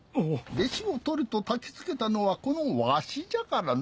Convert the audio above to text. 弟子を取れとたきつけたのはこのわしじゃからの。